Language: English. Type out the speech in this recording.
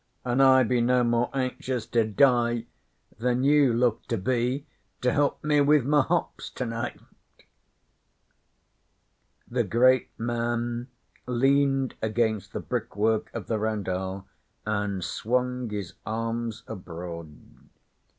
'An' I be no more anxious to die than you look to be to help me with my hops tonight.' The great man leaned against the brickwork of the roundel, and swung his arms abroad.